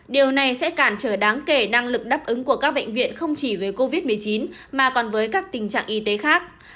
điều này sẽ cản trở đáng kể năng lực đáp ứng của các bệnh viện không chỉ về covid một mươi chín mà còn với các tình trạng y tế khác